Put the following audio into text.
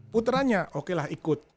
putranya okelah ikut